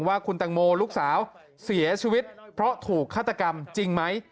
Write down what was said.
ว่าคุณตังโมลูกสาวเสียชีวิตเพราะถูกฆาตกรรมจริงไหม